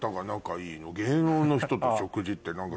芸能の人と食事って何か。